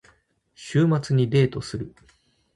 週末にデートをする。